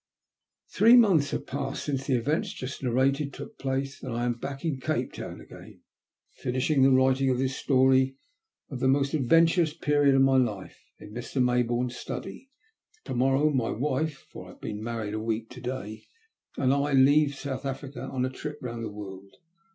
♦«♦♦«♦ Three months have passed since the events just narrated took place, and I am back in Cape Town again, finishing the writing of this story of the most adventurous period of my life, in Mr. Maybourne's study. To morrow my wife (for I have been married a week to day) and I leave South Africa on a trip round the world.